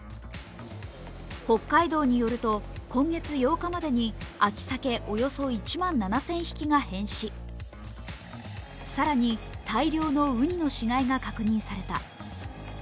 北海道によると、今月８日までに秋鮭、およそ１万７０００匹が変死更に大量のうにの死骸が確認された。